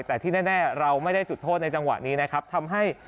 แต่ที่แน่เราไม่ได้จุดโทษในจังหวะนี้นะครับทำให้